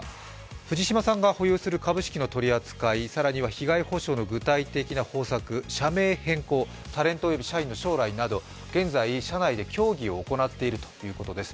藤島さんが保有する株式の取り扱い、更には被害補償の具体的な方策、社名変更、タレントおよび社員の将来など現在社内で協議を行っているということです。